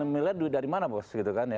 delapan miliar dari mana bos